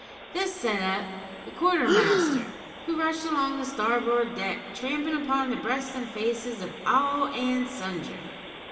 This set up the quartermaster, who rushed along the starboard deck, trampin' upon the breasts and faces of all and sundry.